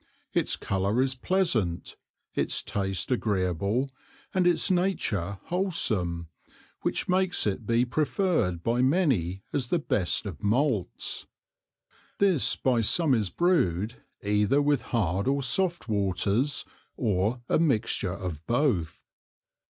Its colour is pleasant, its taste agreeable and its nature wholsome, which makes it be prefer'd by many as the best of Malts; this by some is brewed either with hard or soft waters, or a mixture of both.